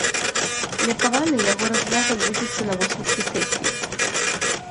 Меркавана яго разгляд адбудзецца на восеньскай сесіі.